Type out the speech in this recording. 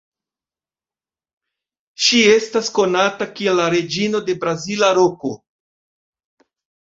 Ŝi estas konata kiel la "Reĝino de Brazila Roko".